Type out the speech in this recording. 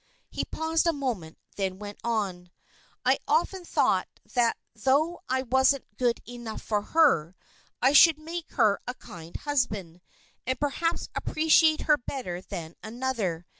He paused a moment, then went on. "I often thought that though I wasn't good enough for her, I should make her a kind husband, and perhaps appreciate her better than another.